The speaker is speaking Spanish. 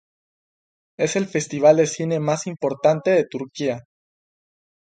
Es el festival de cine más importante de Turquía.